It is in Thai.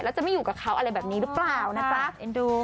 แล้วจะไม่อยู่กับเขาอะไรแบบนี้หรือเปล่านะจ๊ะเอ็นดู